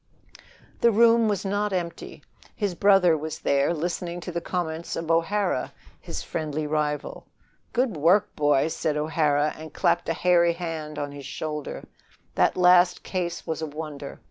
The room was not empty. His brother was there, listening to the comments of O'Hara, his friendly rival. "Good work, boy!" said O'Hara, and clapped a hairy hand on his shoulder. "That last case was a wonder.